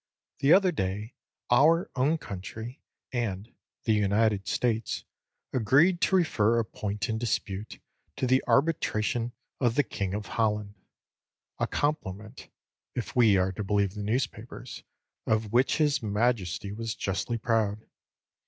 The other day, our own country and the United States agreed to refer a point in dispute to the arbitration of the king of Holland; a compliment (if we are to believe the newspapers) of which his majesty was justly proud.